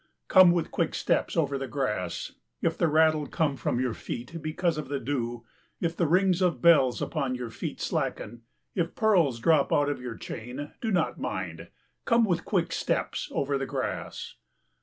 Come, with quick steps over the grass. If the raddle come from your feet because of the dew, if the rings of bells upon your feet slacken, if pearls drop out of your chain, do not mind. Come with quick steps over the grass.